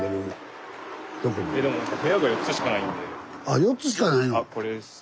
あ４つしかないの？